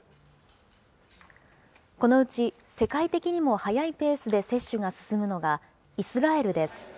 このうち、世界的にも速いペースで接種が進むのが、イスラエルです。